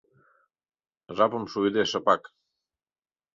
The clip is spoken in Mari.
Жапым шуйыде, шыпак